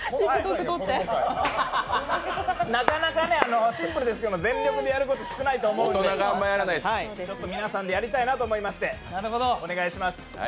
なかなかシンプルですけど全力でやること少ないと思うので皆さんでやりたいなと思いまして、お願いします。